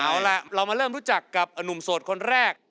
เอาล่ะเรามาเริ่มรู้จักกับหนุ่มโสดคนแรก